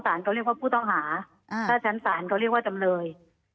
เขาเรียกว่าผู้ต้องหาถ้าชั้นศาลเขาเรียกว่าจำเลย